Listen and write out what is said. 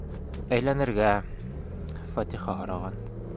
Әйләнергә... фатиха һораған.